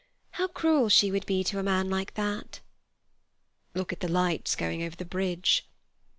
How cruel she would be to a man like that!" "Look at the lights going over the bridge."